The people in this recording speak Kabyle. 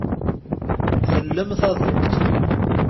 Tellem taḍuṭ.